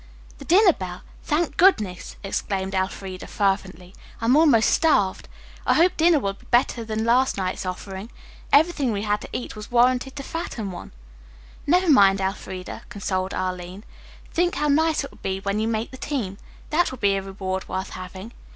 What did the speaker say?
"The dinner bell! Thank goodness!" exclaimed Elfreda fervently. "I am almost starved. I hope dinner will be better than last night's offering. Everything we had to eat was warranted to fatten one." "Never mind, Elfreda," consoled Arline. "Think how nice it will be when you make the team. That will be a reward worth having."